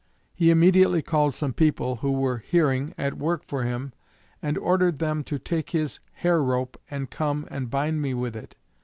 He immediately called some people who were hearing at work for him, and ordered them to take his hair rope and and come and bind me with it.